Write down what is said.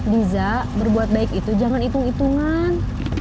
liza berbuat baik itu jangan hitung hitungan